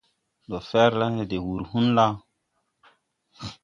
Ndo fer le na de wur hũn la?